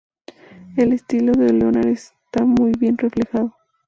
El estilo de Leonardo está muy bien reflejado.